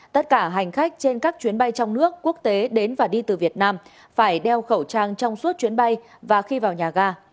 tất cả hành khách trên các chuyến bay trong nước quốc tế đến và đi từ việt nam phải đeo khẩu trang trong suốt chuyến bay và khi vào nhà ga